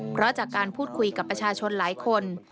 เพราะจากการพูดคุยกับประชาชนหลายคน